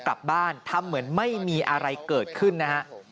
กลับบ้านทำเหมือนไม่มีอะไรเกิดขึ้นนะฮะ